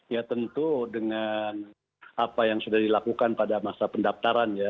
ya tentu dengan apa yang sudah dilakukan pada masa pendaftaran ya